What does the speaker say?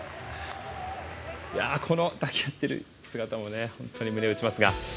抱き合ってる姿も本当に胸を打ちますが。